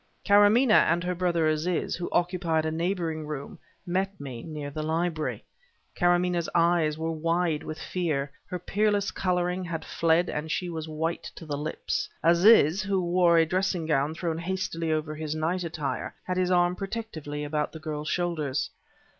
Karamaneh and her brother, Aziz, who occupied a neighboring room, met me, near the library. Karamaneh's eyes were wide with fear; her peerless coloring had fled, and she was white to the lips. Aziz, who wore a dressing gown thrown hastily over his night attire, had his arm protectively about the girl's shoulders.